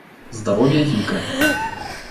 Здоровье гика